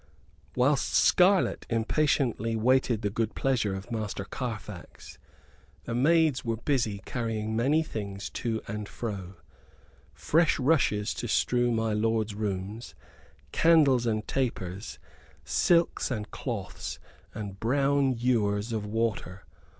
Whilst Scarlett impatiently waited the good pleasure of Master Carfax the maids were busy carrying many things to and fro; fresh rushes to strew my lord's rooms, candles and tapers, silks and cloths, and brown ewers of water.